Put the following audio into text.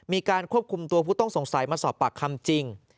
มีการควบคุมตัวผู้ต้องสงสัยมาสอบปากคำจริง